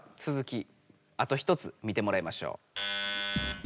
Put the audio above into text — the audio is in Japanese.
あと１つ見てもらいましょう。